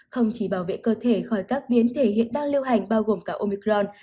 không chỉ bảo vệ cơ thể khỏi các biến thể hiện đang lưu hành bao gồm cả omicron